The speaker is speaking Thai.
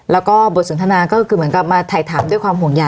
แล้วก็บทสนทนาก็คือเหมือนกับมาถ่ายถามด้วยความห่วงใย